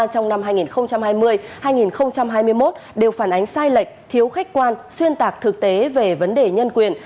trong năm hai nghìn hai mươi hai nghìn hai mươi một đều phản ánh sai lệch thiếu khách quan xuyên tạc thực tế về vấn đề nhân quyền